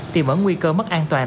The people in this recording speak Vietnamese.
tìm ở nguy cơ mất an toàn